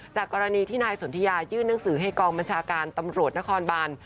กรณีที่นายสนทิยายื่นหนังสือให้กองบัญชาการตำรวจนครบาน